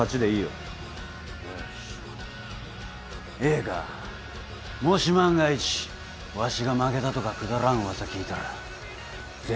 ええかもし万が一わしが負けたとかくだらん噂聞いたら全員ぶち殺すけえのう。